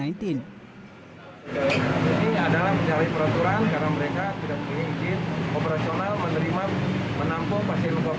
ini adalah menyalih peraturan karena mereka tidak memiliki izin operasional menerima